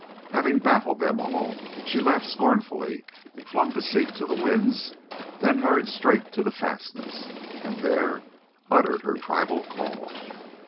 Having baffled them all, she laughed scornfully, flung deceit to the winds, then hurried straight to the "fastness," and there uttered the tribal call.